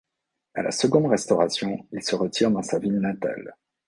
À la seconde Restauration il se retire dans sa ville natale.